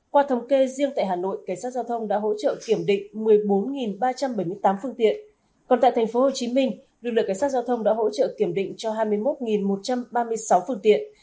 qua thống kê riêng tại hà nội cảnh sát giao thông đã hỗ trợ kiểm định một mươi bốn ba trăm bảy mươi tám phương tiện còn tại tp hcm lực lượng cảnh sát giao thông đã hỗ trợ kiểm định cho hai mươi một một trăm ba mươi sáu phương tiện